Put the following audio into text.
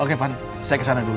oke pak saya kesana dulu ya